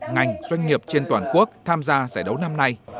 ngành doanh nghiệp trên toàn quốc tham gia giải đấu năm nay